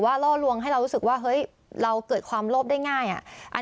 ล่อลวงให้เรารู้สึกว่าเฮ้ยเราเกิดความโลภได้ง่าย